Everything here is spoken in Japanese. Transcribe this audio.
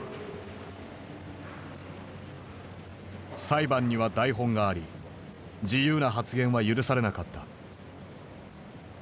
裁判には台本があり自由な発言は許されなかった。